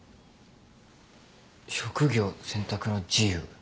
職業選択の自由。